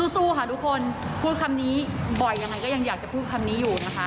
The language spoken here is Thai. สู้ค่ะทุกคนพูดคำนี้บ่อยยังไงก็ยังอยากจะพูดคำนี้อยู่นะคะ